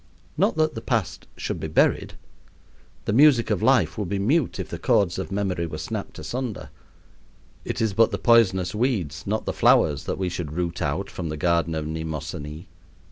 Not that the past should be buried. The music of life would be mute if the chords of memory were snapped asunder. It is but the poisonous weeds, not the flowers, that we should root out from the garden of Mnemosyne.